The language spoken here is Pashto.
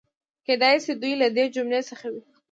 کېدای شي دوی له دې جملې څخه وي.